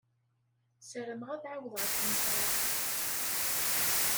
Sarameɣ ad ɛawdeɣ ad kem-ẓreɣ.